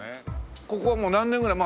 ここはもう何年ぐらい？